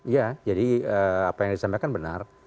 ya jadi apa yang disampaikan benar